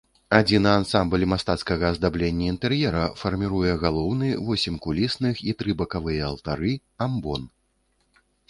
Адзіны ансамбль мастацкага аздаблення інтэр'ера фарміруе галоўны, восем кулісных і тры бакавыя алтары, амбон.